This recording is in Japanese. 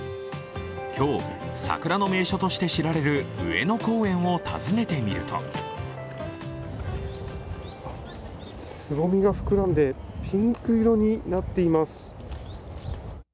今日、桜の名所として知られる上野公園を訪ねてみるとつぼみが膨らんでピンク色になっています。